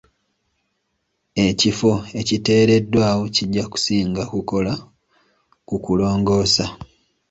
Ekifo ekiteereddwawo kijja kusinga kukola kukulongoosa.